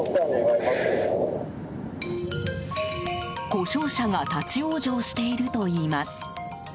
故障車が立往生しているといいます。